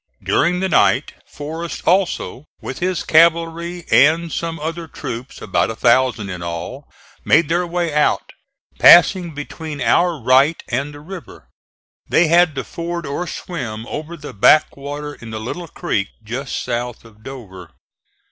During the night Forrest also, with his cavalry and some other troops about a thousand in all, made their way out, passing between our right and the river. They had to ford or swim over the back water in the little creek just south of Dover.